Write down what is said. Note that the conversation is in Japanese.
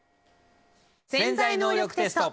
「潜在能力テスト」。